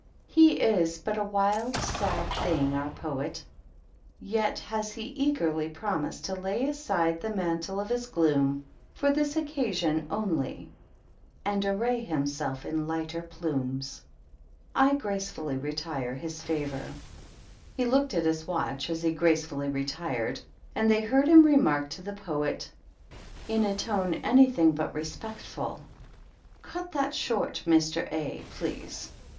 He is but a wild, sad thing, our Poet, j has he eagerly promised to lay aside the man1 of his gloom for this occasion only and arr himself in lighter plumes. I gracefully retire his favor." He looked at his watch as he gracefully retire and they heard him remark to the Poet, in a to anything but respectful, " Cut that short, Mr. A please."